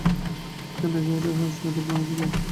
শুনা যায়, ঐরূপ অবস্থায় লোক ঘুমাইতে চায়।